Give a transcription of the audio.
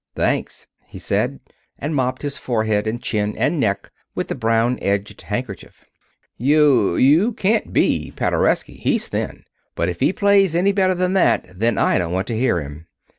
"Thanks," he said, and mopped his forehead and chin and neck with the brown edged handkerchief. "You you can't be Paderewski. He's thin. But if he plays any better than that, then I don't want to hear him.